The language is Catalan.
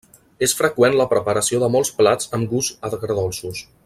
És freqüent la preparació de molts plats amb gusts agredolços.